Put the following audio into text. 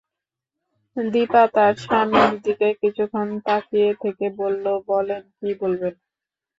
দিপা তার স্বামীর দিকে কিছুক্ষণ তাকিয়ে থেকে বলল, বলেন, কী বলবেন।